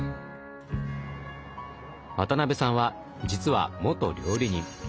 渡辺さんは実は元料理人。